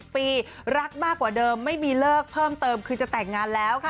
ปีรักมากกว่าเดิมไม่มีเลิกเพิ่มเติมคือจะแต่งงานแล้วค่ะ